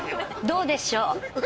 「どうでしょう？」